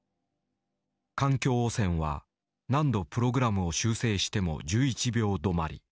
「環境汚染」は何度プログラムを修正しても１１秒止まり。